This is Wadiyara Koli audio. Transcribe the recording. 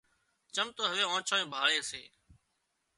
چم تو هوَي آنڇانئي ڀاۯي سي